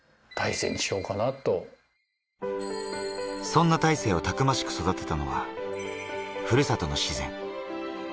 そんな大勢をたくましく育てたのは、故郷の自然。